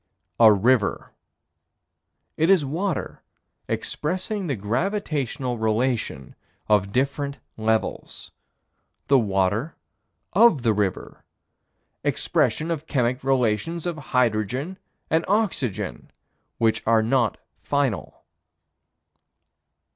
A river. It is water expressing the gravitational relation of different levels. The water of the river. Expression of chemic relations of hydrogen and oxygen which are not final.